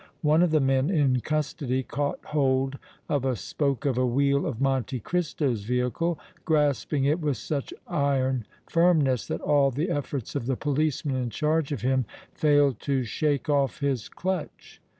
One of the men in custody caught hold of a spoke of a wheel of Monte Cristo's vehicle, grasping it with such iron firmness that all the efforts of the policeman in charge of him failed to shake off his clutch.